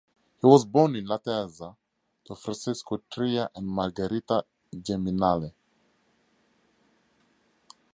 He was born in Laterza to Francesco Tria and Margherita Geminale.